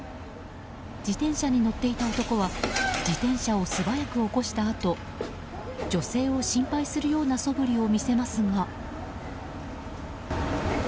自転車に乗っていた男は自転車を素早く起こしたあと女性を心配するようなそぶりを見せますが。